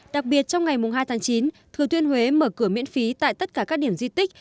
đặc biệt trong ngày hai tháng chín thừa thiên huế mở cửa miễn phí tại tất cả các điểm di tích